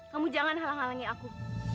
kamu jangan halang halangi aku